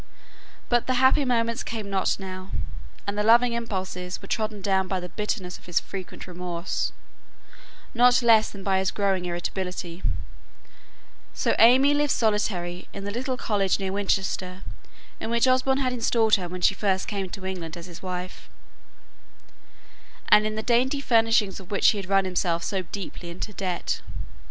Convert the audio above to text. But the happy moments came not now, and the loving impulses were trodden down by the bitterness of his frequent remorse, not less than by his growing irritability; so AimÄe lived solitary in the little cottage near Winchester in which Osborne had installed her when she first came to England as his wife, and in the dainty furnishing of which he had run himself so deeply into debt.